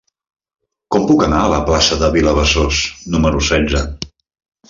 Com puc anar a la plaça de Vilabesòs número setze?